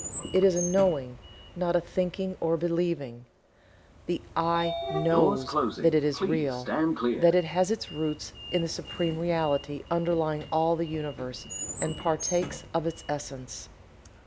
It is a Knowing, not a Thinking or Believing. The "I" knows that it is Real that it has its roots in the Supreme Reality underlying all the Universe, and partakes of its Essence.